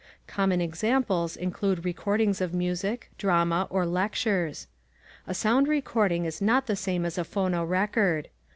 Common examples include recordings of music, drama, or lectures. A sound recording is not the same as a phonorecord.